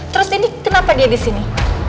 terus ini kenapa dia disini